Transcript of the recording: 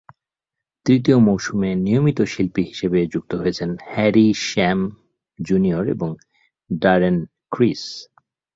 তৃতীয় মৌসুমে নিয়মিত শিল্পী হিসেবে যুক্ত হয়েছেন হ্যারি শাম জুনিয়র এবং ড্যারেন ক্রিস।